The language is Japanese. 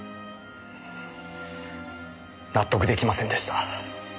納得出来ませんでした。